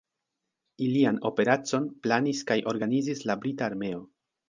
Ilian operacon planis kaj organizis la brita armeo.